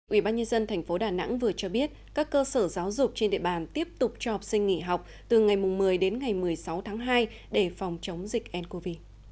ubnd tp đà nẵng vừa cho biết các cơ sở giáo dục trên địa bàn tiếp tục cho học sinh nghỉ học từ ngày một mươi đến ngày một mươi sáu tháng hai để phòng chống dịch ncov